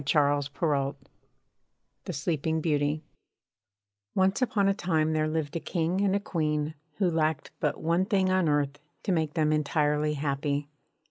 she murmured_ (126) THE SLEEPING BEAUTY Once upon a time there lived a King and a Queen, who lacked but one thing on earth to make them entirely happy.